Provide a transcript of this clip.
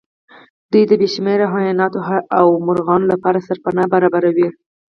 دوی د بې شمېره حيواناتو او مرغانو لپاره سرپناه برابروي.